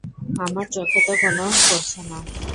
আমার চোখে তো কোনো পড়ছে না।